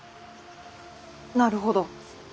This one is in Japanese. なるほど。